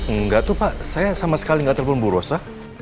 enggak tuh pak saya sama sekali nggak telepon bu rosa